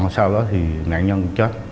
sau đó thì nạn nhân chết